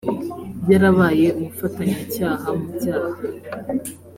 yarabaye umufatanyacyaha mu byaha